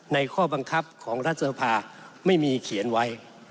ข้อบังคับของรัฐสภาไม่มีเขียนไว้